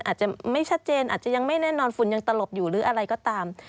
อาจจะไม่ชัดเจนอาจจะยังไม่แน่นอนฝุ่นยังตลบอยู่หรืออะไรก็ตาม